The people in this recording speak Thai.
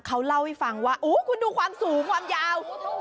เขาเล่าให้ฟังว่าคุณดูความสูงความยาว